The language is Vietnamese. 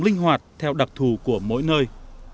linh hoạt theo đặc thù của mỗi nơi